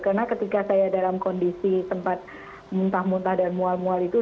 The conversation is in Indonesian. karena ketika saya dalam kondisi sempat muntah muntah dan mual mual itu